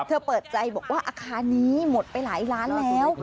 เปิดใจบอกว่าอาคารนี้หมดไปหลายล้านแล้ว